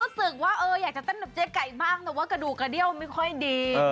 รู้สึกว่าอยากจะตั้งใจไก่บ้างแต่ว่ากระดูกกระเดี้ยวไม่ค่อยดี